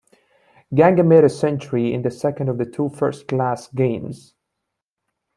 Ganga made a century in the second of the two first-class games.